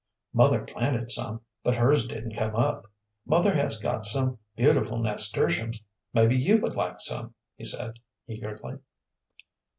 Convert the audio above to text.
"Mother planted some, but hers didn't come up. Mother has got some beautiful nasturtiums. Perhaps you would like some," he said, eagerly.